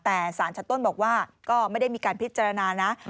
แต่สารชั้นต้นบอกว่าก็ไม่ได้มีการพิจารณานะ